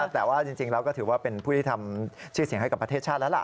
แต่ว่าจริงแล้วก็ถือว่าเป็นผู้ที่ทำชื่อเสียงให้กับประเทศชาติแล้วล่ะ